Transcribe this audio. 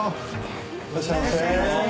いらっしゃいませ。